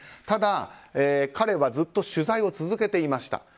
ただ、彼はずっと取材を続けていました。